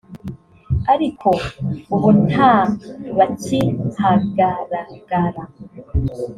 ariko ubu nta bakihagaragara